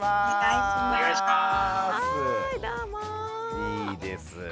いいですね。